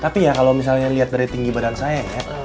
tapi ya kalau misalnya lihat dari tinggi badan saya ya